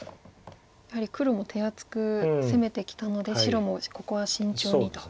やはり黒も手厚く攻めてきたので白もここは慎重にと。